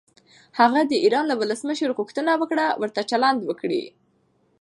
هغه د ایران له ولسمشر غوښتنه وکړه ورته چلند وکړي.